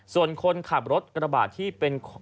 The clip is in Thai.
ส่วนคนขับรถกระบาดที่เป็น